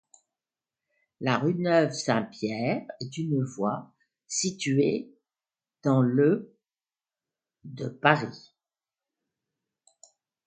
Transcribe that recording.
La rue Neuve-Saint-Pierre est une voie située dans le de Paris.